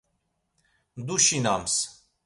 Duşinams.